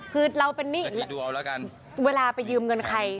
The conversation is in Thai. คือเราเป็นหนี้เวลาไปยืมเงินใคร